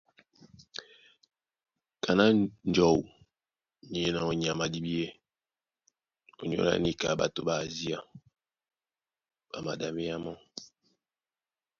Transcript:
Kaná njɔu ní enɔ́ nyama a dibíɛ́, ónyólá níka ɓato ɓá Asia ɓá maɗaméá mɔ́.